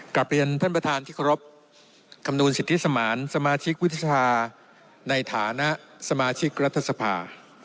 กลับเรียนท่านประธานที่เคารพคำนวณสิทธิสมานสมาชิกวุฒิสภาในฐานะสมาชิกรัฐสภา